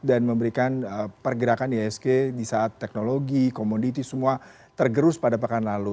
dan memberikan pergerakan isg di saat teknologi komoditi semua tergerus pada pekan lalu